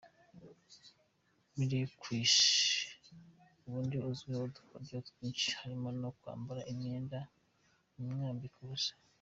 Miley Cyrus ubundi azwiho udukoryo twinshi harimo no kwambara imyenda imwambika ubusa.